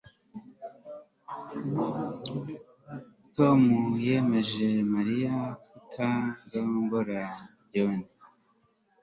Tom yemeje Mariya kutarongora John